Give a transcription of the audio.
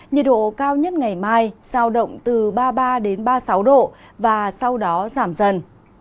nhiệt độ cao nhất ngày mai giao động từ ba mươi ba ba mươi sáu độ và sau đó giảm dần